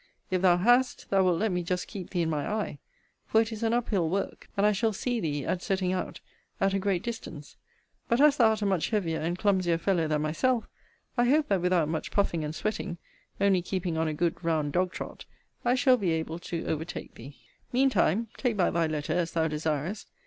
If thou hast, thou wilt let me just keep thee in my eye; for it is an up hill work; and I shall see thee, at setting out, at a great distance; but as thou art a much heavier and clumsier fellow than myself, I hope that without much puffing and sweating, only keeping on a good round dog trot, I shall be able to overtake thee. Mean time, take back thy letter, as thou desirest.